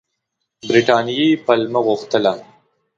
برټانیې پلمه غوښته.